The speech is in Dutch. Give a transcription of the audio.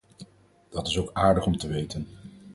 Dat is ook aardig om te weten!